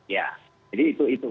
ya jadi itu itu